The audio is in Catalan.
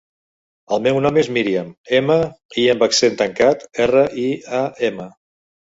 El meu nom és Míriam: ema, i amb accent tancat, erra, i, a, ema.